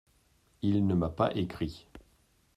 Il ne m’a pas écrit…